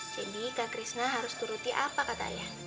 jadi kak krishna harus turuti apa kata ayah